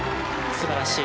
素晴らしい。